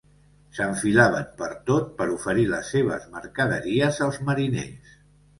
S'enfilaven pertot per oferir les seves mercaderies als mariners.